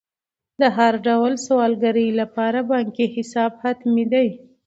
د هر ډول سوداګرۍ لپاره بانکي حساب حتمي دی.